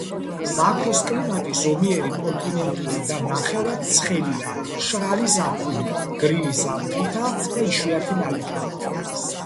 ბაქოს კლიმატი ზომიერი კონტინენტური და ნახევრად ცხელია მშრალი ზაფხულით, გრილი ზამთრითა და იშვიათი ნალექებით.